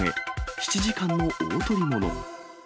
７時間の大捕り物。